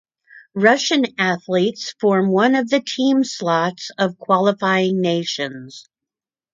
Russian athletes form one of the team slots of qualifying nations.